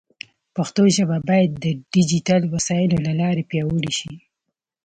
پښتو ژبه باید د ډیجیټل وسایلو له لارې پیاوړې شي.